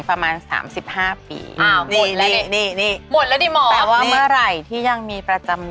คือไม่มีอัตรายใช่ไหมคะ